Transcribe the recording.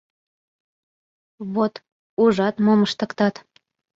— Вот, ужат, мом ыштыктат.